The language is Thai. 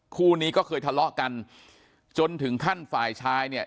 คู่นี้ก็เคยทะเลาะกันจนถึงขั้นฝ่ายชายเนี่ย